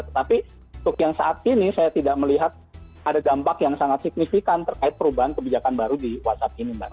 tetapi untuk yang saat ini saya tidak melihat ada dampak yang sangat signifikan terkait perubahan kebijakan baru di whatsapp ini mbak